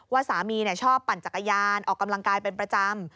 ว่าสามีชอบปั่นจักรยานออกกำลังกายเป็นประจำ